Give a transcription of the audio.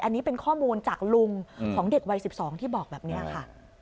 อันนี้เป็นข้อมูลจากลุงของเด็กวัย๑๒ที่บอกแบบนี้ค่ะ